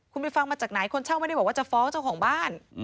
คุณไปฟังมาจากไหนคนเช่าไม่ได้บอกว่าจะฟ้องเจ้าของบ้าน